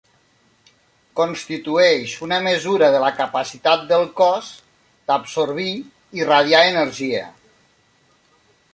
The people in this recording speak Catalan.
Constitueix una mesura de la capacitat del cos d'absorbir i radiar energia.